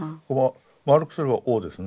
丸くすれば「Ｏ」ですね。